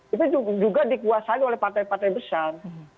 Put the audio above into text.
itu juga dikuasai oleh partai partai besar